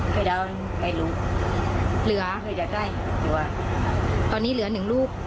ใครดาวใครรู้เหลือคือจะได้หรือว่าตอนนี้เหลือหนึ่งลูก